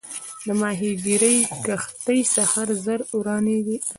د ماهیګیري کښتۍ سهار زر روانېږي.